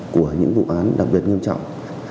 của những vụ án đặc biệt nghiêm trọng